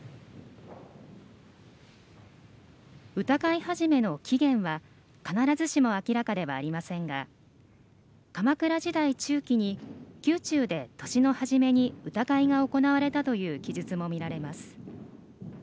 歌会始の起源は必ずしも明らかではありませんが鎌倉時代中期に宮中で年の初めに歌会が行われたという記述も見られます。